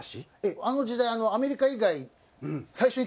あの時代アメリカ以外。